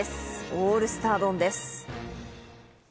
オールスター丼です。